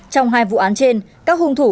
trong hai vụ án trên các hùng thủ